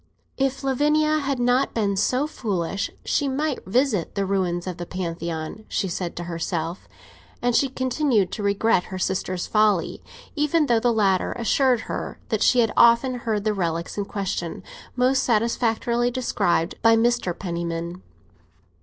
"If Lavinia had not been so foolish, she might visit the ruins of the Pantheon," she said to herself; and she continued to regret her sister's folly, even though the latter assured her that she had often heard the relics in question most satisfactorily described by Mr. Penniman.